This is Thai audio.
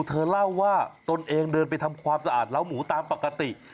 เธอเล่าว่าตนเองเดินไปทำความสะอาดเล้าหมูตามปกติ